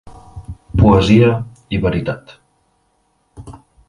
Poesia i veritat.